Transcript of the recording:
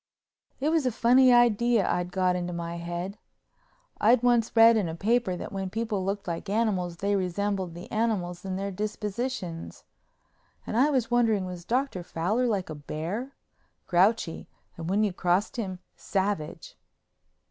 It was a funny idea I'd got into my head. I'd once read in a paper that when people looked like animals they resembled the animals in their dispositions—and I was wondering was Dr. Fowler like a bear, grouchy and when you crossed him savage.